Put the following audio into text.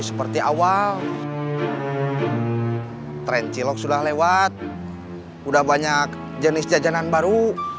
seperti awal tren cilok sudah lewat udah banyak jenis jajanan baru